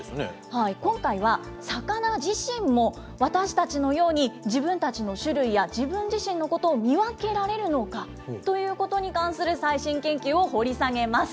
今回は、魚自身も私たちのように、自分たちの種類や自分自身のことを見分けられるのかということに関する最新研究を掘り下げます。